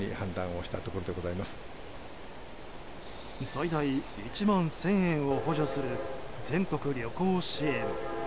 最大１万１０００円を補助する全国旅行支援。